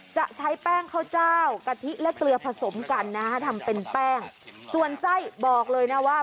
จะใช้แป้งข้าวเจ้ากะทิและเกลือผสมกันนะฮะทำเป็นแป้งส่วนไส้บอกเลยนะว่า